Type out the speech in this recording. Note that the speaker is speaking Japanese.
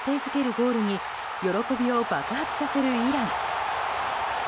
ゴールに喜びを爆発させるイラン。